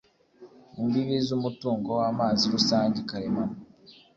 Imbibi z umutungo w amazi rusange karemano